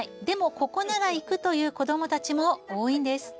ここなら行くという子どもたちも多いんです。